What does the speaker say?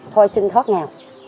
thôi xin thoát nghèo